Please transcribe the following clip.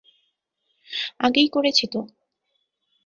আগেই করেছি তো।